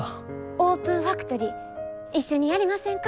オープンファクトリー一緒にやりませんか？